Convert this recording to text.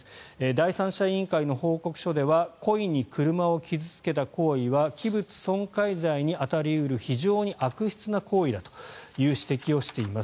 第三者委員会の報告書では故意に車を傷付けた行為は器物損壊罪に当たり得る非常に悪質な行為だという指摘をしています。